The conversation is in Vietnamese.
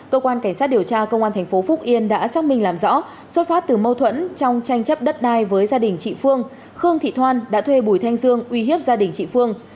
cơ quan cảnh sát điều tra công an tp phúc yên đã xác minh làm rõ xuất phát từ mâu thuẫn trong tranh chấp đất đai với gia đình chị phương khương thị thoan đã thuê bùi thanh dương uy hiếp gia đình chị phương